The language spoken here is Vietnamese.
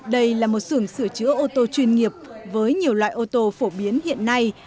đây là một sưởng sửa chữa ô tô chuyên nghiệp với nhiều loại ô tô phổ biến hiện nay